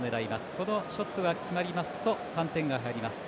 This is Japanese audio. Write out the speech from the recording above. このショットが決まりますと３点が入ります。